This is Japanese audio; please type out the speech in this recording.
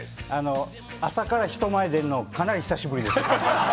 朝から人前出るのかなり久しぶりです。